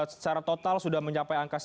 secara total sudah menyebabkan